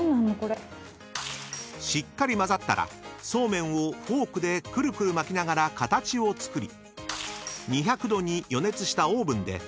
［しっかり混ざったらそうめんをフォークでくるくる巻きながら形を作り］